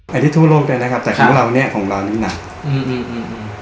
อันนี้ทั่วโลกได้นะครับครับแต่ของเรานี่ของเรานี่หนักอืมอืมอืม